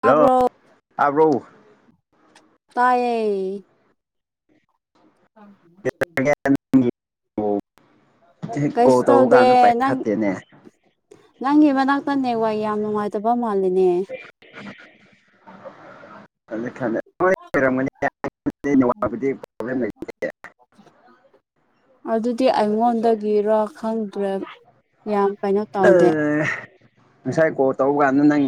Hello ꯇꯥ꯭ꯕꯔꯣ ꯇꯥꯕ꯭ꯔꯣ ꯇꯥꯏꯌꯦ ꯀꯥꯡ [inaudible] ꯍꯦ ꯅꯒꯗꯤ ꯍꯦꯛ ꯀꯣꯜ ꯀꯩꯁꯨ ꯇꯧꯕ ꯇꯧꯗꯦ ꯀꯥꯟꯗ ꯄꯩꯁ ꯅꯪ ꯈꯠꯇꯦꯅꯦ [inaudible] ꯅꯪꯒꯤ ꯃꯅꯥꯛꯇ ꯅꯦꯠꯋꯥꯛ ꯌꯥꯝ ꯅꯨꯡꯉꯥꯏꯇꯕ ꯃꯥꯜꯂꯤꯅꯦ [inaudible] ꯄꯔꯝꯅꯤꯗꯤ [inaudible] ꯅꯠꯇꯦ [unintelligible] ꯑꯗꯨꯗꯤ ꯑꯩꯉꯣꯟꯗꯒꯤꯔꯣ ꯈꯪꯗ꯭ꯔꯦ ꯌꯥꯝ ꯀꯩꯅꯣ ꯇꯧꯗꯦ ꯉꯁꯥꯏ ꯀꯣꯜ ꯇꯧꯕꯀꯥꯟꯗ ꯅꯪ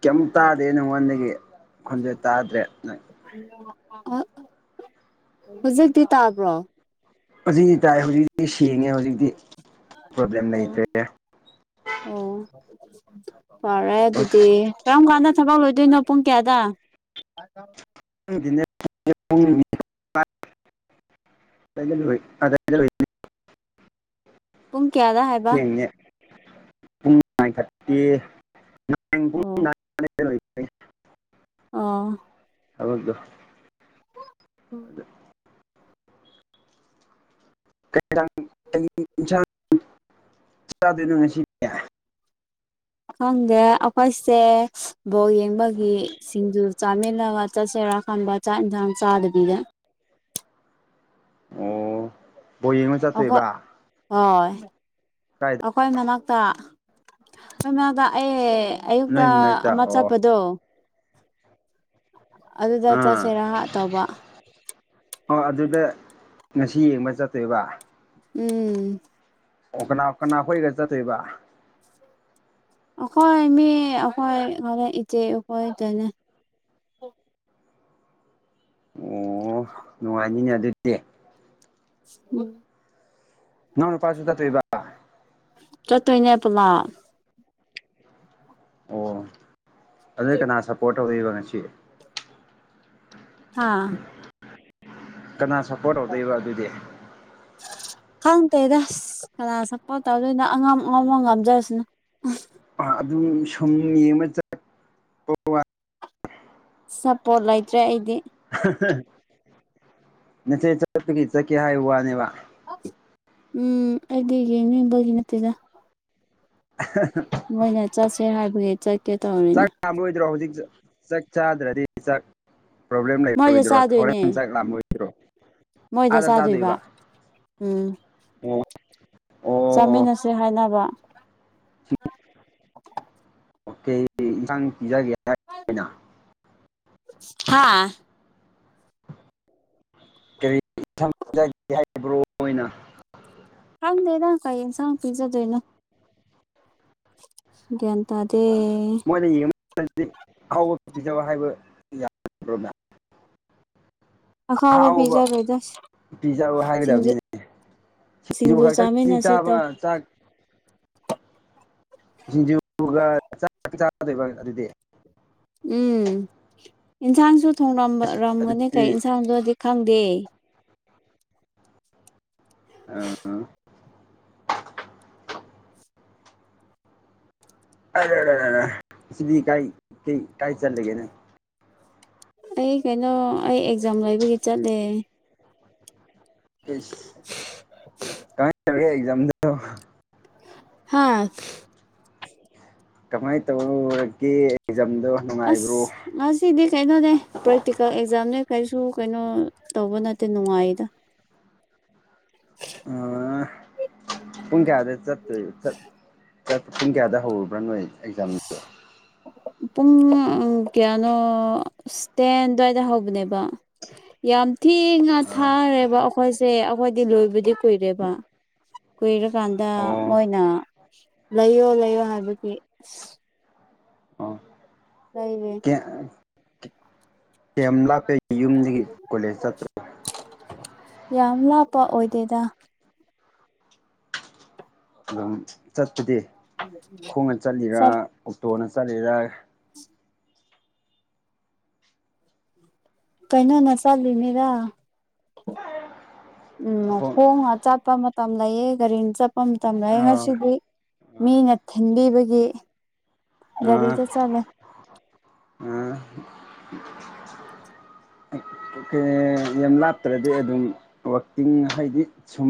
ꯀꯌꯥꯝ ꯇꯥꯗꯦ ꯅꯉꯣꯟꯗꯒꯤ ꯈꯣꯟꯖꯦꯟ ꯇꯥꯗ꯭ꯔꯦ ꯅꯪ ꯑ ꯍꯧꯖꯤꯛꯇꯤ ꯇꯥꯕ꯭ꯔꯣ ꯑꯁꯤꯗꯤ ꯇꯥꯏ ꯍꯧꯖꯤꯛꯇꯤ ꯁꯦꯡꯉꯦ ꯍꯧꯖꯤꯛꯇꯤ ꯄ꯭ꯔꯣꯕ꯭ꯂꯦꯝ ꯂꯩꯇ꯭ꯔꯦ ꯑꯣ ꯐꯔꯦ ꯑꯗꯨꯗꯤ ꯀꯔꯝ ꯀꯥꯟꯗ ꯊꯕꯛ ꯂꯣꯏꯗꯣꯏꯅꯣ ꯄꯨꯡ ꯀꯌꯥꯗ ꯑꯗꯨ ꯗꯤ ꯅꯦ ꯄꯨꯡ ꯅꯤꯄꯥꯜ ꯑꯗꯨ ꯋꯥꯏꯗ ꯎꯏ [inaudible] ꯇꯨꯝ ꯀꯌꯥꯗ ꯍꯥꯏ ꯑꯣ ꯅꯤ ꯅꯥꯍꯜ ꯄꯨꯡ ꯅꯤꯄꯥꯜ ꯗꯨꯕꯦ [inaudible] ꯑꯥ [unintelligible] ꯑꯗꯨ [inaudible] [unintelligible] ꯈꯪꯗꯦ ꯑꯩꯈꯣꯏꯁꯦ ꯕꯣꯜ ꯌꯦꯡꯕ ꯒꯤ ꯁꯤꯡꯖꯨ ꯆꯥꯃꯤꯟꯅꯕ ꯆꯠꯁꯤꯔꯥ ꯈꯟꯕꯥ ꯆꯥꯛ ꯏꯟꯁꯥꯡ ꯆꯥꯗꯕꯤꯗ ꯑꯣ ꯕꯣꯜ ꯌꯦꯡꯕꯥ ꯑꯩꯈꯣꯏ ꯆꯠꯇꯣꯏꯕ ꯍꯣꯏ ꯀꯥꯏꯗ ꯑꯩꯈꯣꯏ ꯃꯅꯥꯛꯇ ꯑꯩꯈꯣꯏ ꯃꯅꯥꯛꯇ ꯑꯩ ꯑꯌꯨꯛꯇ ꯅꯣꯏ ꯃꯅꯥꯛꯇ ꯑꯃ ꯑꯣ ꯆꯠꯄꯗꯣ ꯑꯗꯨꯗ ꯆꯠꯁꯦꯔꯥ ꯑꯥ ꯍꯥ ꯇꯧꯕ ꯑꯣ ꯑꯗꯨꯗ ꯉꯁꯤ ꯌꯦꯡꯕ ꯆꯠꯇꯣꯏꯕ ꯎꯝ ꯑꯣ ꯀꯅꯥ ꯀꯅꯥ ꯈꯣꯏꯒ ꯆꯠꯇꯣꯏꯕ ꯑꯩꯈꯣꯏ ꯃꯤ ꯑꯩꯈꯣꯏ ꯍꯔꯦꯟ ꯏꯆꯦ ꯑꯩꯈꯣꯏ ꯇꯅꯦ ꯑꯣ ꯅꯨꯡꯉꯥꯏꯅꯤꯅꯦ ꯑꯗꯨꯗꯤ ꯎꯝ ꯅꯅꯥꯎ ꯅꯨꯄꯥꯁꯨ ꯆꯠꯇꯣꯏꯕ ꯆꯠꯇꯣꯏꯅꯦ ꯄꯨꯂꯥꯞ ꯑꯣ ꯑꯗꯨꯅ ꯀꯅꯥ ꯁꯞꯄꯣꯔꯠ ꯇꯧꯗꯣꯏꯕ ꯉꯁꯤ ꯍꯥ ꯀꯅꯥ ꯁꯞꯄꯣꯔꯠ ꯇꯧꯗꯣꯏꯕ ꯑꯗꯨꯗꯤ ꯈꯪꯗꯦꯗꯁ ꯀꯅꯥ ꯁꯞꯄꯣꯔꯠ ꯇꯧꯗꯣꯏꯅꯣ ꯑꯉꯝ ꯑꯉꯝꯕ ꯉꯥꯝꯖꯁꯥꯅꯣ ꯑꯗꯨꯝ ꯁꯨꯝ ꯌꯦꯡꯕ ꯆꯠ ꯁꯞꯄꯣꯔꯠ ꯂꯩꯇ꯭ꯔꯦ ꯑꯩꯗꯤ ꯅꯆꯦ ꯆꯠꯄꯒꯤ ꯆꯠꯀꯦ ꯍꯥꯏꯕ ꯋꯥꯅꯦꯕ ꯎꯝ ꯑꯩꯗꯤ ꯌꯦꯡꯅꯤꯡꯕꯒꯤ ꯅꯠꯇꯦ ꯗꯥ [unintelligible] ꯃꯣꯏꯅ ꯆꯠꯁꯦ ꯍꯥꯏꯕꯒꯤ ꯆꯠꯀꯦ ꯇꯧꯔꯤꯅꯦ ꯃꯣꯏꯗ꯭ꯔꯣ ꯍꯧꯖꯤꯛ ꯆꯥꯛ ꯆꯥꯗ꯭ꯔꯗꯤ ꯆꯥꯛ ꯄ꯭ꯔꯣꯕ꯭ꯂꯦꯝ ꯃꯣꯏꯗ ꯂꯩꯔꯣꯏꯗ꯭ꯔꯣ ꯆꯥꯗꯣꯏꯅꯦ ꯍꯣꯔꯦꯟ ꯆꯥꯛ ꯂꯥꯝ ꯑꯔꯣꯏꯗ꯭ꯔꯣ ꯃꯣꯏꯗ ꯆꯥꯗꯣꯏꯕ ꯎꯝ ꯑꯣ ꯑꯣ ꯆꯥꯃꯤꯟꯅꯁꯦ ꯍꯥꯏꯅꯕ [unintelligible] ꯍꯥꯥ [unintelligible] ꯍꯪꯗꯦꯗ ꯀꯩ ꯌꯦꯟꯁꯥꯡ ꯄꯤꯖꯗꯣꯏꯅꯣ ꯒꯌ꯭ꯥꯟ ꯇꯥꯗꯦ ꯃꯣꯏꯅ ꯌꯦꯡꯕ ꯃꯇꯝꯗꯤ ꯑꯍꯥꯎꯕ ꯄꯤꯖꯕ ꯍꯥꯏꯕ ꯌꯥ [unintelligible] ꯑꯍꯥꯎꯕ ꯄꯤꯖꯔꯣꯏꯗ ꯄꯤꯖꯕ ꯁꯤꯡꯖꯨ ꯍꯥꯏꯒꯗꯕꯅꯤꯅꯦ ꯁꯤꯡꯖꯨ ꯈꯛꯇꯪꯗꯤ ꯆꯥꯃꯤꯟꯅꯁꯦꯇ ꯆꯥꯕ ꯆꯥꯛ ꯁꯤꯡꯖꯨꯒ ꯆꯥꯗꯣꯏꯕ ꯑꯗꯨꯗꯤ ꯎꯝ ꯏꯟꯁꯥꯡꯁꯨ ꯊꯣꯡꯔꯝ ꯔꯝꯒꯅꯤ ꯑꯗꯨꯗꯤ ꯀꯩ ꯏꯟꯁꯥꯡꯗꯣꯗꯤ ꯈꯪꯗꯦ ꯑꯥ ꯑꯔꯥ ꯔꯥ ꯔꯥ ꯔꯥ ꯔꯥꯥ ꯁꯤꯗꯤ ꯀꯥꯏ ꯀꯩ ꯀꯥꯏ ꯆꯜꯂꯒꯦꯅꯦ ꯑꯩ ꯀꯩꯅꯣ ꯑꯩ ꯑꯦꯛꯖꯥꯝ ꯂꯩꯕꯒꯤ ꯆꯠꯂꯦ ꯑꯁ ꯀꯃꯥꯏꯟ ꯇꯧꯔꯒꯦ ꯑꯦꯛꯖꯥꯝꯗꯣ ꯍꯥ ꯀꯃꯥꯏ ꯇꯧꯔꯒꯦ ꯑꯦꯛꯖꯥꯝꯗꯣ ꯅꯨꯡꯉꯥꯏꯕ꯭ꯔꯣ ꯑꯁ ꯉꯁꯤꯗꯤ ꯀꯩꯅꯣꯅꯦ ꯄ꯭ꯔꯦꯛꯇꯤꯀꯦꯜ ꯑꯦꯛꯖꯥꯝꯅꯦ ꯀꯩꯁꯨ ꯀꯩꯅꯣ ꯇꯧꯕ ꯅꯠꯇꯦ ꯅꯨꯡꯉꯥꯏꯗ [unintelligible] ꯑ ꯄꯨꯡ ꯀꯌꯥꯗ ꯆꯠꯇꯣꯏ ꯆꯠ ꯐꯇꯤꯟ ꯀꯌꯥꯗ ꯍꯧꯔꯨꯕ꯭ꯔꯥ ꯅꯣꯏ ꯑꯦꯛꯖꯥꯝ ꯄꯨꯡ ꯀꯌꯥꯅꯣ ꯇꯦꯟ ꯑꯗꯨꯋꯥꯏꯗ ꯍꯧꯕꯅꯦꯕ ꯌꯥꯝ ꯊꯤꯅ ꯑꯥ ꯊꯥꯔꯦꯕ ꯑꯩꯈꯣꯏꯁꯦ ꯑꯩꯈꯣꯏꯗꯤ ꯂꯣꯏꯕꯗꯤ ꯀꯨꯏꯔꯦꯕ ꯀꯨꯏꯔꯀꯥꯟꯗ ꯑꯣ ꯃꯣꯏꯅ ꯂꯩꯌꯣ ꯂꯩꯌꯣ ꯍꯥꯏꯕꯒꯤ ꯑ ꯑꯣ ꯇꯩꯔꯦ ꯀꯦꯝ ꯂꯥꯛꯄꯒꯤ ꯌꯨꯝꯁꯤꯒꯤ ꯀꯣꯂꯦꯖ ꯆꯠꯄ ꯌꯥꯝ ꯂꯥꯞꯄ ꯑꯣꯏꯗꯦꯗ ꯑꯗꯨꯝ ꯆꯠꯄꯗꯤ ꯈꯣꯡꯅ ꯆꯠꯂꯤꯔ ꯑꯣꯛꯇꯣꯅ ꯆꯠꯂꯤꯔ ꯁꯦ ꯀꯩꯅꯩꯅꯣ ꯅ ꯆꯜꯂꯤꯅꯤꯔ ꯎꯝ ꯈꯣꯡ ꯍꯣꯡꯅ ꯆꯠꯄ ꯃꯇꯝ ꯂꯩꯑ ꯒꯥꯔꯤꯅ ꯆꯠꯄ ꯃꯇꯝ ꯂꯩꯑ ꯑꯥ ꯉꯁꯤꯗꯤ ꯃꯤꯅ ꯊꯤꯟꯕꯤꯕꯒꯤ ꯒꯥꯔꯤꯗ ꯆꯠꯂꯦ ꯎ ꯎ [unintelligible] ꯌꯥꯝ ꯂꯥꯞꯇ꯭ꯔꯗꯤ ꯑꯗꯨꯝ ꯋꯥꯛꯀꯤꯡ ꯍꯥꯏꯗꯤ ꯁꯨꯝ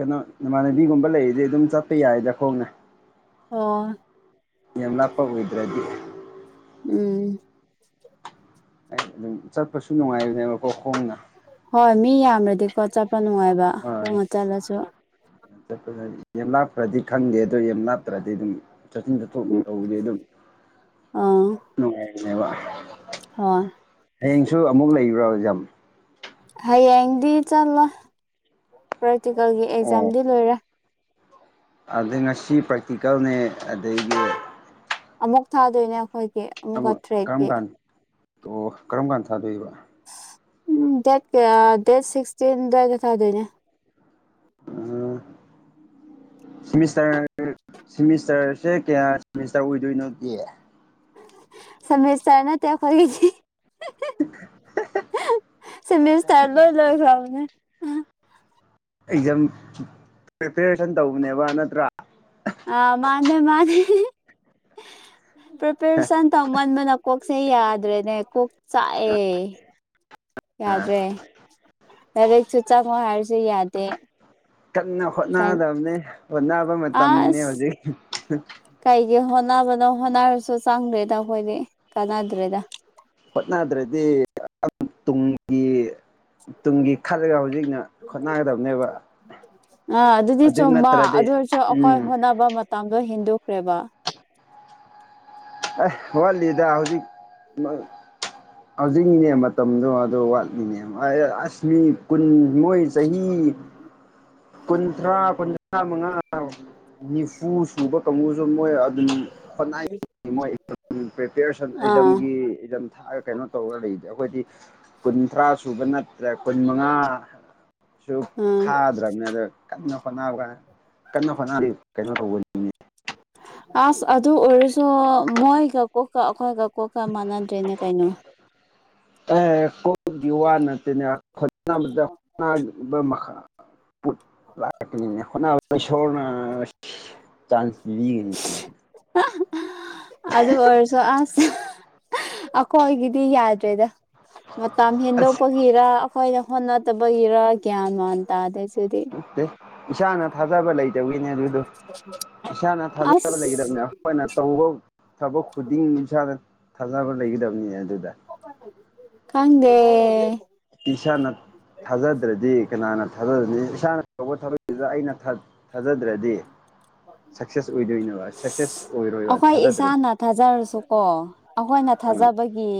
ꯀꯩꯅꯣ ꯅꯃꯥꯟꯅꯕꯤꯒꯨꯝꯕ ꯂꯩꯔꯤꯗꯤ ꯑꯗꯨꯝ ꯆꯠꯄ ꯌꯥꯏꯗ ꯈꯣꯡꯅ ꯑꯣ ꯌꯥꯝ ꯂꯥꯞꯄ ꯑꯣꯏꯗ꯭ꯔꯗꯤ ꯎꯝ ꯑꯩ ꯑꯗꯨꯝ ꯆꯠꯄꯁꯨ ꯅꯨꯡꯉꯥꯏꯕꯅꯦꯕꯀꯣ ꯈꯣꯡꯅ ꯍꯣꯏ ꯃꯤ ꯌꯥꯝꯔꯗꯤꯀꯣ ꯆꯠꯄ ꯅꯨꯡꯉꯥꯏꯕ ꯍꯣꯏ ꯍꯣꯡꯉ ꯆꯠꯂꯁꯨ [inaudible] ꯌꯥꯝ ꯂꯥꯞꯈ꯭ꯔꯗꯤ ꯈꯪꯗꯦ ꯑꯗꯣ ꯌꯥꯝ ꯂꯥꯞꯇ꯭ꯔꯗꯤ ꯑꯗꯨꯝ ꯆꯠꯊꯤꯟ ꯆꯠꯊꯣꯛ ꯎꯝ ꯇꯧꯕꯗꯤ ꯑꯗꯨꯝ ꯑꯥ ꯍꯣꯏ [unintelligible] ꯍꯌꯦꯡꯁꯨ ꯑꯃꯨꯛ ꯂꯩꯕ꯭ꯔꯣ ꯑꯦꯛꯖꯥꯝ ꯍꯌꯦꯡꯗꯤ ꯆꯠꯂꯣ ꯄ꯭ꯔꯦꯛꯇꯤꯀꯦꯜꯒꯤ ꯑꯣ ꯑꯦꯛꯖꯥꯝꯗꯤ ꯂꯣꯏꯔꯦ ꯑꯗꯩ ꯉꯁꯤ ꯄ꯭ꯔꯥꯛꯇꯤꯀꯦꯜꯅꯦ ꯑꯗꯩꯗꯤ ꯑꯃꯨꯛ ꯊꯥꯗꯣꯏꯅꯦ ꯑꯩꯈꯣꯏꯒꯤ ꯑꯃꯨꯛꯀ ꯑꯃ ꯀꯔꯝ ꯊ꯭ꯔꯦꯠꯀꯤ ꯀꯥꯟ ꯑꯣ ꯀꯔꯝ ꯀꯥꯟ ꯊꯥꯗꯣꯏꯕ ꯎꯝ ꯗꯦꯠ ꯀ ꯗꯦꯠ ꯁꯤꯛꯁꯇꯤꯟꯗ ꯊꯥꯗꯣꯏꯅꯦ [inaudible] ꯃꯤꯁꯇꯔ ꯁꯤꯦꯃꯤꯁꯇꯔꯁꯦ ꯀꯌꯥ ꯁꯤꯦꯃꯤꯁꯇꯔ ꯑꯣꯏꯗꯣꯏꯅꯣ ꯅꯒ ꯒꯤ ꯁꯃꯁꯇꯔ ꯅꯠꯇꯦ ꯑꯩꯈꯣꯏꯒꯤꯗꯤ꯫ ꯍꯤ ꯍꯤ ꯁꯤꯃꯤꯁꯇꯔ ꯂꯣꯏ ꯂꯣꯏꯈ꯭ꯔꯕꯅꯦ ꯑꯦꯛꯖꯥꯝ ꯄ꯭ꯔꯤꯄꯦꯔꯦꯁꯟ ꯇꯧꯕꯅꯦꯕ ꯅꯠꯇ꯭ꯔꯥ ꯑ ꯃꯥꯅꯦ ꯃꯥꯅꯦ ꯄ꯭ꯔꯤꯄꯦꯔꯦꯁꯟ ꯇꯧꯃꯟꯕꯅꯀꯣꯛ ꯁꯦ ꯌꯥꯗ꯭ꯔꯦꯅꯦ ꯀꯣꯛ ꯆꯥꯛꯑꯦ ꯌꯥꯗ꯭ꯔꯦ ꯐꯔꯦ ꯆꯨꯆꯥꯉꯥ ꯍꯥꯏꯔꯁꯨ ꯌꯥꯗꯦ ꯀꯟꯅ ꯍꯣꯠꯅꯒꯗꯕꯅꯦ ꯍꯣꯠꯅꯕ ꯃꯇꯝꯅꯤꯅꯦ ꯑꯁ ꯍꯧꯖꯤꯛ ꯀꯩꯒꯤ ꯍꯣꯠꯅꯕꯅꯣ ꯍꯣꯠꯅꯔꯁꯨ ꯆꯪꯗ꯭ꯔꯦꯗ ꯑꯩꯈꯣꯏꯗꯤ ꯀꯥꯟꯅꯗ꯭ꯔꯦꯗ ꯍꯣꯠꯅꯗ꯭ꯔꯗꯤ ꯇꯨꯡꯒꯤ ꯇꯨꯡꯒꯤ ꯈꯜꯂꯒ ꯍꯧꯖꯤꯛꯅ ꯈꯣꯠꯅꯒꯗꯕꯅꯦꯕ ꯑ ꯑꯗꯨꯗꯤ ꯆꯨꯝꯕ ꯑꯗꯨ ꯑꯣꯏꯔꯁꯨ ꯑꯩꯈꯣꯏ ꯎꯝ ꯍꯣꯠꯅꯕ ꯃꯇꯝꯗꯣ ꯍꯦꯟꯗꯣꯛꯈ꯭ꯔꯦꯕ ꯑꯦ ꯋꯥꯠꯂꯤꯗ ꯍꯧꯖꯤꯛ ꯍꯧꯖꯤꯛꯅꯤꯅꯦ ꯃꯇꯝꯗꯣ ꯑꯗꯨ ꯋꯥꯠꯂꯤꯅꯦ ꯑꯁꯃꯤ ꯀꯨꯟ ꯃꯣꯏ ꯆꯍꯤ ꯀꯨꯟꯊ꯭ꯔꯥ ꯀꯨꯟꯊ꯭ꯔꯥ ꯃꯉꯥ ꯅꯤꯐꯨ ꯁꯨꯕ ꯀꯥꯡꯁꯨ ꯃꯣꯏ ꯑꯗꯨꯝ ꯍꯣꯠꯅꯏ ꯃꯣꯏ ꯄ꯭ꯔꯤꯄꯦꯔꯦꯁꯟ ꯑꯥ ꯑꯦꯖꯝꯒꯤꯝ ꯀꯩꯅꯣ ꯇꯧꯔꯗꯤ ꯑꯩꯈꯣꯏꯗꯤ ꯀꯨꯟꯊ꯭ꯔꯥ ꯁꯨꯕ ꯅꯠꯇ꯭ꯔꯦ ꯀꯨꯟ ꯃꯉꯥ ꯁꯨ ꯑꯥ ꯐꯥꯗ꯭ꯔꯕꯅꯦ ꯑꯗ ꯀꯟꯅ ꯍꯣꯠꯅꯕ ꯀꯟꯅ ꯍꯣꯠꯅꯕ ꯀꯩꯅꯣ ꯇꯧꯕꯅꯤ ꯑꯁ ꯑꯗꯨ ꯑꯣꯏꯔꯁꯨ ꯃꯣꯏꯒ ꯀꯣꯛꯀ ꯑꯩꯈꯣꯏꯒ ꯀꯣꯛꯀ ꯃꯥꯟꯅꯗ꯭ꯔꯦꯅꯦ ꯀꯩꯅꯣ ꯑꯦ ꯀꯣꯏꯗꯤ ꯋꯥ ꯅꯠꯇꯦꯅ [unintelligible] ꯅꯤ ꯍꯣꯠꯅꯕ ꯏꯁꯣꯔꯅ ꯆꯥꯟꯁ ꯂꯤꯒꯅꯤ ꯑꯗꯨ ꯑꯣꯏꯔꯁꯨ ꯑꯁ ꯑꯩꯈꯣꯏꯒꯤꯗꯤ ꯌꯥꯗ꯭ꯔꯦꯗ ꯃꯇꯝ ꯑꯁ ꯍꯦꯟꯗꯣꯛꯄ ꯒꯤꯔ ꯑꯩꯈꯣꯏꯅ ꯍꯣꯠ ꯅꯗꯕꯒꯤꯔ ꯒ꯭ꯌꯥꯟ ꯃꯥꯟ ꯇꯥꯗꯁꯨꯗꯤ ꯏꯁꯥꯅ ꯊꯥꯖꯕ ꯂꯩꯇꯕꯒꯤꯅꯦ ꯑꯗꯨꯗꯣ ꯏꯁꯥꯅ ꯊꯥꯖꯕ ꯑꯁ ꯂꯩꯒꯗꯕꯅꯦ ꯑꯩꯈꯣꯏꯅ ꯇꯧꯕ ꯊꯕꯛ ꯈꯨꯗꯤꯡ ꯏꯁꯥꯅ ꯊꯥꯖꯕ ꯂꯩꯒꯗꯕꯅꯤ ꯑꯗꯨꯗ ꯈꯪꯗꯦ ꯏꯁꯥꯅ ꯊꯥꯖꯗ꯭ꯔꯗꯤ ꯀꯅꯥꯅ ꯊꯥꯖꯗꯅꯤ ꯏꯁꯥꯅ ꯇꯧꯕ ꯊꯕꯛ [inaudible] ꯗ ꯑꯩꯅ ꯊ ꯊꯥꯖꯗ꯭ꯔꯗꯤ ꯁꯛꯁꯦꯁ ꯑꯣꯏꯗꯣꯏꯅꯣꯕ ꯁꯛꯁꯦꯁ ꯑꯣꯏꯔꯣꯏꯕ ꯑꯩꯈꯣꯏ ꯊꯥꯖꯗ꯭ꯔꯗꯤ ꯏꯁꯥꯅ ꯊꯥꯖꯔꯁꯨꯀꯣ ꯑꯩꯈꯣꯏꯅ ꯑꯥ ꯊꯥꯖꯕꯒꯤ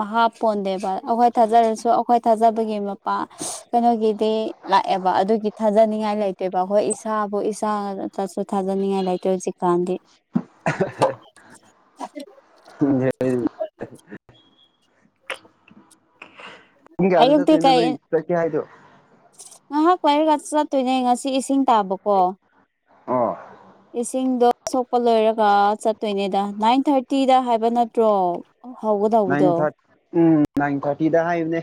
ꯃꯍꯥꯄꯣꯟꯗꯦꯕ ꯑꯩꯈꯣꯏ ꯊꯥꯖꯔꯁꯨ ꯑꯩꯈꯣꯏ ꯊꯥꯖꯕꯒꯤ [unintelligible] ꯀꯩꯅꯣꯒꯤꯗꯤ ꯂꯥꯛꯑꯦꯕ ꯑꯗꯨꯒꯤ ꯊꯥꯖꯅꯤꯡꯉꯥꯏ ꯂꯩꯇꯣꯏꯕ ꯑꯩꯈꯣꯏ ꯏꯁꯥ ꯏꯁꯥꯗꯁꯨ ꯊꯥꯖꯅꯤꯡꯉꯥꯏ ꯂꯩꯇ꯭ꯔꯦ ꯍꯧꯖꯤꯛꯀꯥꯟꯗꯤ [unintelligible] [inaudible] ꯄꯨꯡ ꯀꯌꯥꯗꯩ ꯑꯌꯨꯛꯇꯤ ꯆꯠꯇꯣꯏꯅꯣ ꯀꯩ ꯅꯣꯏ ꯆꯠꯀꯦ ꯍꯥꯏꯗꯣ ꯉꯥꯏꯍꯥꯛ ꯋꯥꯏꯔꯒ ꯆꯠꯇꯣꯏꯅꯦ ꯉꯁꯤ ꯏꯁꯤꯡ ꯇꯥꯕꯀꯣ ꯑꯣ ꯏꯁꯤꯡꯗꯣ ꯁꯣꯛꯄ ꯂꯣꯏꯔꯒ ꯆꯠꯇꯣꯏꯅꯦꯗ ꯅꯥꯏꯟ ꯊꯥꯔꯇꯤꯗ ꯍꯥꯏꯕ ꯅꯠꯇ꯭ꯔꯣ ꯅꯥꯏꯟ ꯍꯧꯒꯗꯧꯕꯗꯣ ꯊꯥꯔꯇꯤ ꯎꯝ ꯅꯥꯏꯟ ꯊꯥꯔꯇꯤꯗ ꯍꯥꯏꯕꯅꯦ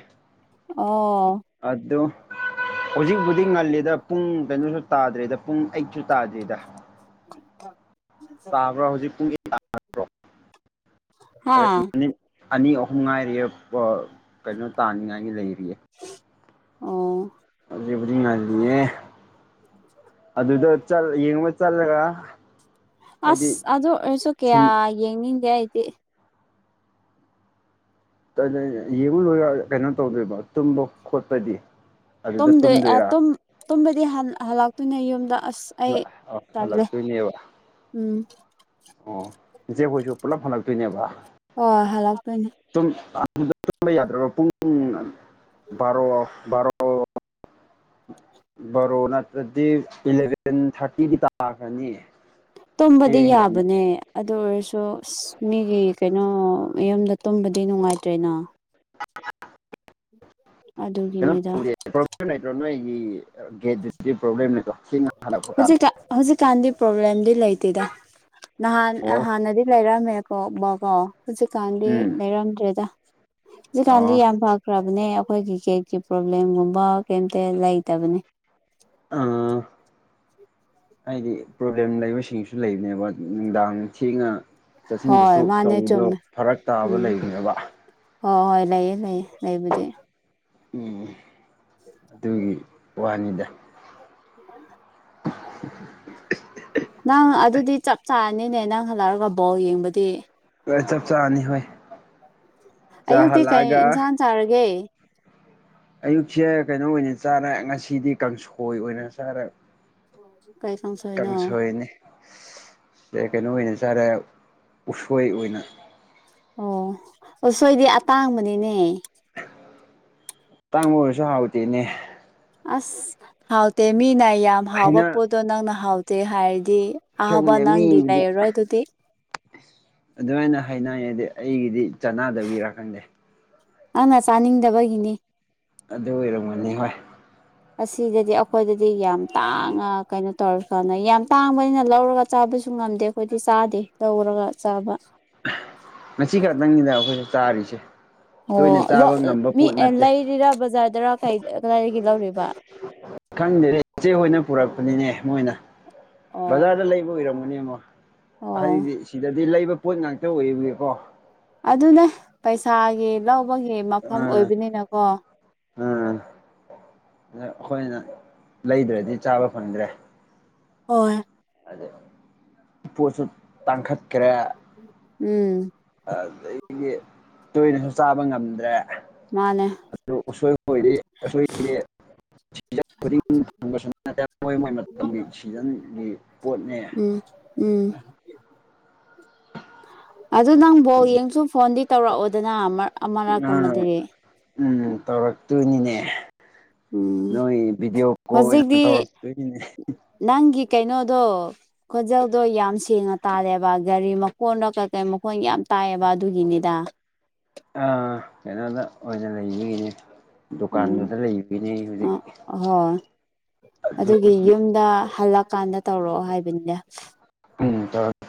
ꯑꯣ ꯑꯗꯨ ꯍꯧꯖꯤꯛꯕꯨꯗꯤ ꯉꯜꯂꯤꯗ ꯄꯨꯡ ꯀꯩꯅꯣꯁꯨ ꯇꯥꯗ꯭ꯔꯤꯗ ꯄꯨꯡ ꯑꯩꯠꯁꯨ ꯇꯥꯗ꯭ꯔꯤꯗ [inaudible] ꯇꯥꯕ꯭ꯔ ꯍꯧꯖꯤꯛ ꯄꯨꯨꯡ [inaudible] ꯍꯥ ꯑꯗꯅꯤ ꯑꯅꯤ ꯑꯍꯨꯝ ꯉꯥꯏꯔꯤꯌꯦ ꯀꯩꯅꯣ ꯇꯥꯅꯤꯉꯥꯏꯒꯤ ꯂꯩꯔꯤꯌꯦ ꯑꯣ [unintelligible] ꯉꯜꯂꯤꯌꯦ ꯑꯗꯨꯗ ꯆꯠ ꯌꯦꯡꯉꯕ ꯆꯠꯂꯒ ꯍꯥꯏꯗꯤ ꯑꯁ ꯑꯗꯨ ꯑꯣꯏꯔꯁꯨ ꯀꯌꯥ ꯁꯨꯝ ꯌꯦꯡꯅꯤꯡꯗꯦ ꯑꯩꯗꯤ ꯌꯦꯡꯉꯨꯔꯣꯏ ꯀꯩꯅꯣ ꯇꯧꯗꯣꯏꯕ ꯇꯨꯝꯕ ꯈꯣꯠꯄꯗꯤ ꯑꯗꯨꯗ ꯇꯨꯝꯗꯣꯏꯔꯥ ꯇꯨꯝꯕꯗꯤ ꯍꯜꯂꯛꯇꯣꯏꯅꯦ ꯌꯨꯝꯗ ꯑꯁ ꯑꯩ [unintelligible] ꯇꯜꯂꯦ ꯍꯜꯂꯛꯇꯣꯏꯅꯦꯕ ꯎꯝ ꯑꯣ ꯖꯦꯛꯍꯣꯏꯁꯨ ꯄꯨꯂꯞ ꯍꯜꯂꯛꯇꯣꯏꯅꯦꯕ ꯍꯣꯏ ꯍꯜꯂꯛꯇꯣꯏꯅꯦ ꯇꯨꯝꯕ ꯌꯥꯗ꯭ꯔꯕ ꯄꯨꯡ ꯕꯥꯔꯣ ꯕꯥꯔꯣ ꯕꯔꯣ ꯅꯠꯇ꯭ꯔꯗꯤ ꯏꯂꯚꯦꯟ ꯊꯥꯔꯇꯤꯒꯤ ꯇꯥꯈ꯭ꯔꯅꯤ ꯇꯨꯝꯕꯗꯤ ꯊꯦꯡꯈ꯭ꯔꯅꯤ ꯌꯥꯕꯅꯦ ꯑꯗꯨ ꯑꯣꯏꯔꯁꯨ ꯑꯁ ꯃꯤꯒꯤ ꯀꯩꯅꯣ ꯃꯌꯨꯝꯗ ꯇꯨꯝꯕꯗꯤ ꯅꯨꯡꯉꯥꯏꯇ꯭ꯔꯦꯅ ꯀꯩꯅꯣ ꯑꯗꯨꯒꯤꯅꯤꯗ ꯇꯧꯗꯦ ꯄ꯭ꯔꯣꯕ꯭ꯂꯦꯝ ꯂꯩꯀ꯭ꯔꯣ ꯅꯣꯏꯒꯤ ꯒꯦꯠꯇꯗꯤ ꯄ꯭ꯔꯣꯕ꯭ꯂꯦꯝ ꯂꯩꯀꯣ ꯆꯁꯤꯡ ꯍꯜꯂꯨꯞ ꯍꯧꯖꯤꯛꯀꯥ ꯍꯧꯖꯤꯛꯀꯥꯟꯗꯤ ꯄ꯭ꯔꯣꯕ꯭ꯂꯦꯝꯗꯤ ꯂꯩꯇꯦꯗ ꯅꯍꯥꯟ ꯑ ꯑꯣ ꯅꯗꯤ ꯂꯩꯔꯝꯃꯦ ꯀꯣꯛꯕꯀꯣ ꯍꯧꯖꯤꯛꯀꯥꯟꯗꯤ ꯎꯝ ꯂꯩꯔꯝꯗ꯭ꯔꯦꯗ ꯑꯣ ꯍꯧꯖꯤꯛꯀꯥꯟꯗꯤ ꯌꯥꯝ ꯐ ꯈ꯭ꯔꯕꯅꯦ ꯑꯩꯈꯣꯏꯒꯤ [unintelligible] ꯄ꯭ꯔꯣꯕ꯭ꯂꯦꯝꯒꯨꯝꯕ ꯀꯩꯝꯇ ꯂꯩꯇꯕꯅꯦ ꯑꯥ ꯍꯥꯏꯗꯤ ꯄ꯭ꯔꯣꯕ꯭ꯂꯦꯝ ꯂꯩꯕꯁꯤꯡꯁꯨ ꯂꯩꯕꯅꯦꯕ ꯅꯨꯡꯗꯥꯡ ꯊꯦꯡꯅ ꯆꯠꯁꯤꯟ ꯍꯣꯏ ꯆꯠꯊꯣꯛ ꯃꯥꯅꯦ ꯇꯧꯕꯗꯣ ꯆꯨꯝꯃꯦ ꯐꯔꯛ ꯇꯥꯕ ꯎꯝ ꯂꯩꯕꯅꯦꯕ ꯍꯣꯏ ꯍꯣꯏ ꯂꯩꯑ ꯂꯩꯑ ꯂꯩꯕꯨꯗꯤ ꯎꯝ ꯑꯗꯨꯒꯤ ꯋꯥꯅꯤꯗ [inaudible] ꯅꯪ ꯑꯗꯨꯗꯤ ꯆꯞ ꯆꯥꯔꯅꯤꯅꯦ ꯅꯪ ꯍꯜꯂꯛꯑꯒ ꯕꯣꯜ ꯌꯦꯡꯕꯗꯤ ꯆꯞ ꯆꯥꯅꯤ ꯍꯣꯏ ꯑꯌꯨꯛꯇꯤ ꯀꯩ ꯆꯥꯍꯜꯂꯛꯑꯒ ꯏꯟꯁꯥꯡ ꯆꯥꯔꯒꯦ ꯑꯌꯨꯛꯁꯦ ꯀꯩꯅꯣ ꯑꯣꯏꯅ ꯆꯥꯔꯦ ꯉꯁꯤꯗꯤ ꯀꯥꯡꯁꯣꯏ ꯑꯣꯏꯅ ꯆꯥꯔꯦ [unintelligible] ꯀꯥꯡꯁꯣꯏꯅꯤ ꯀꯩꯅꯣ ꯑꯣꯏꯅ ꯆꯥꯔꯦ ꯎꯁꯣꯏ ꯑꯣꯏꯅ ꯑꯣ ꯑꯣ ꯁꯣꯏꯗꯤ ꯑꯇꯥꯡꯕꯅꯤꯅꯦ ꯇꯥꯡꯕ ꯑꯣꯏꯔꯁꯨ ꯍꯥꯎꯇꯦꯅꯦ ꯑꯁ ꯍꯥꯎꯇꯦ ꯃꯤꯅ ꯌꯥꯝ ꯍꯥꯎꯕ ꯍꯩꯅ ꯄꯣꯠꯇꯣ ꯅꯪꯅ ꯍꯥꯎꯇꯦ ꯍꯥꯏꯔꯗꯤ ꯑꯥꯕ ꯈꯪꯗꯦ ꯅꯪꯒꯤ ꯃꯤꯕꯨꯗꯤ ꯂꯩꯔꯣꯏ ꯑꯗꯨꯗꯤ ꯑꯗꯨꯃꯥꯏꯅ ꯍꯥꯏꯅꯉꯗꯤ ꯑꯩꯒꯤꯗꯤ ꯆꯅꯗꯕꯒꯤꯔꯀꯪꯗꯦ ꯅꯪꯅ ꯆꯥꯅꯤꯡꯗꯕꯒꯤꯅꯤ ꯑꯗꯨ ꯑꯣꯏꯔꯝꯃꯅꯤ ꯍꯣꯏ ꯑꯁꯤꯗꯗꯤ ꯑꯩꯈꯣꯏꯗꯗꯤ ꯌꯥꯝ ꯇꯥꯡꯅ ꯀꯩꯅꯣ ꯇꯧꯔꯀꯥꯟꯗ ꯌꯥꯝ ꯇꯥꯡꯕꯅꯤꯅ ꯂꯧꯔꯒ ꯆꯥꯕꯁꯨ ꯉꯝꯗꯦ ꯑꯩꯈꯣꯏꯗꯤ ꯆꯥꯗꯦ ꯂꯧꯔꯒ ꯆꯥꯕ ꯉꯁꯤ ꯈꯛꯇꯪꯅꯤꯗ ꯑꯩꯈꯣꯏꯁ ꯆꯥꯔꯤꯁꯦ ꯑꯣ ꯇꯣꯏꯅ ꯂꯣ ꯆꯥꯕ ꯉꯝꯕ ꯃꯤ ꯄꯣꯠ ꯑꯦ ꯅꯠꯇꯦ ꯂꯩꯔꯤꯔꯥ ꯕꯖꯥꯔꯗꯔꯥ ꯀꯩ ꯀꯗꯥꯏꯗꯒꯤ ꯂꯧꯔꯤꯕ ꯈꯪꯗꯦ ꯏꯆꯦ ꯍꯣꯏꯅ ꯄꯨꯔꯛꯄꯅꯤꯅꯦ ꯃꯣꯏꯅ ꯑꯣ ꯕꯖꯥꯔꯗ ꯂꯩꯕ ꯑꯣꯏꯔꯝꯒꯅꯦ ꯑꯃ ꯑꯣ ꯑꯍꯟꯗꯤ ꯁꯤꯗ ꯑ ꯂꯩꯕ ꯄꯣꯠ ꯉꯥꯛꯇ ꯑꯣꯏꯕꯒꯀꯣ ꯑꯗꯨꯅꯦ ꯄꯩꯁꯥꯒꯤ ꯂꯧꯕꯒꯤ ꯃꯐꯝ ꯑꯣꯏꯕꯅꯤꯅꯀꯣ ꯎꯝ ꯑꯩꯈꯣꯏꯅ ꯂꯩꯗ꯭ꯔꯗꯤ ꯆꯥꯕ ꯐꯪꯗ꯭ꯔꯦ ꯍꯣꯏ ꯑꯗ ꯄꯣꯠꯁꯨ ꯇꯥꯡꯈꯠꯈ꯭ꯔꯦ ꯎꯝ ꯑꯗꯨꯗꯒꯤꯗꯤ ꯇꯣꯏꯅꯁꯨ ꯆꯥꯕ ꯉꯝꯗ꯭ꯔꯦ ꯃꯥꯅꯦ ꯑꯗꯨ ꯑꯁꯣꯏꯕ ꯑꯣꯏꯔ ꯑꯁꯣꯏꯔ ꯅꯠꯇꯦ ꯃꯣꯏ ꯃꯣꯏ ꯃꯇꯝꯒꯤ ꯁꯤꯖꯟꯒꯤ ꯄꯣꯠꯅꯦ ꯎꯝ ꯎꯝ ꯑꯗꯨ ꯅꯪꯕꯣ ꯌꯦꯡꯁꯨꯨꯝ ꯐꯣꯟꯗꯤ ꯇꯧꯔꯛꯑꯣꯗꯅ ꯅꯪ ꯑꯃꯔꯛꯀꯨꯝꯕꯗꯨꯗꯤ ꯎꯝ ꯇꯧꯔꯛꯇꯣꯏꯅꯤꯅꯦ ꯎꯝ ꯅꯣꯏ ꯕꯤꯗꯤꯑꯣ ꯀꯣ ꯍꯧꯖꯤꯛꯇꯤ ꯊꯧꯔ ꯅꯪꯒꯤ ꯀꯩꯅꯣꯗꯣ ꯈꯖꯦꯜꯗꯣ ꯌꯥꯝ ꯁꯦꯡꯅ ꯇꯥꯜꯂꯦꯕ ꯒꯥꯔꯤ ꯃꯈꯣꯟꯗꯣ ꯀꯩꯀꯩ ꯃꯈꯣꯟ ꯌꯥꯝ ꯇꯥꯏꯑꯌꯦꯕ ꯑꯗꯨꯒꯤꯅꯤꯗ ꯀꯩꯅꯣꯗ ꯑꯣꯏꯅ ꯂꯩꯔꯤꯒꯤꯅꯤ ꯗꯨꯀꯥꯟꯗꯨꯗ ꯂꯩꯕꯅꯤ ꯍꯧꯖꯤꯛ ꯑꯍꯣꯏ ꯑꯗꯨ ꯑꯗꯨꯒꯤ ꯌꯨꯝꯗ ꯍꯜꯂꯛꯀꯥꯟꯗ ꯇꯧꯔꯛꯑꯣ ꯍꯥꯏꯕꯅꯤꯗ ꯎꯝ ꯇ